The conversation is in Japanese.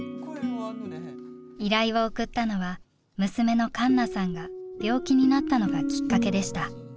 依頼を送ったのは娘の栞奈さんが病気になったのがきっかけでした。